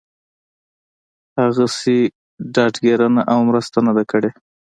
هغسې ډاډ ګيرنه او مرسته نه ده کړې